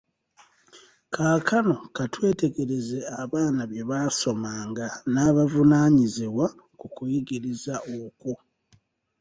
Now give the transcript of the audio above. Kaakano ka twetegereze abaana bye baasomanga n’abavunaanyizibwa ku kuyigiriza okwo.